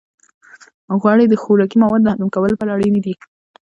غوړې د خوراکي موادو د هضم کولو لپاره اړینې دي.